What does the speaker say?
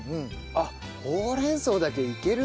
あっほうれん草だけいけるな。